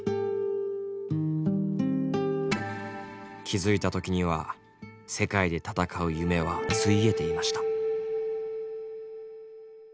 気付いた時には世界で戦う夢はついえていました。